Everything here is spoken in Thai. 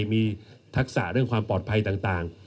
มีทักษะเรื่องความปลอดภัยต่าง